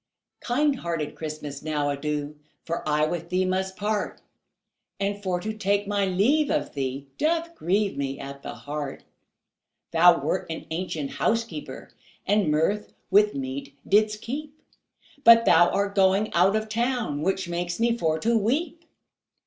Kind hearted Christmas, now adieu, For I with thee must part, And for to take my leave of thee Doth grieve me at the heart; Thou wert an ancient housekeeper, And mirth with meat didst keep, But thou art going out of town, Which makes me for to weep.